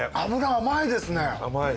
甘いです。